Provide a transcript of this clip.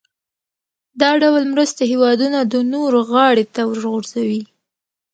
دا ډول مرستې هېوادونه د نورو غاړې ته ورغورځوي.